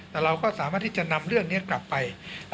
แต่เราก็สามารถที่จะนำเรื่องนี้กลับไป